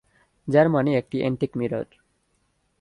যার মানে একটি এন্টিক মিরর।